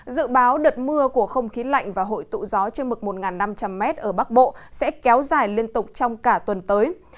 dự báo đợt mưa của không khí lạnh và hội tụ gió trên mực một năm trăm linh m ở bắc bộ sẽ kéo dài liên tục trong cả tuần tới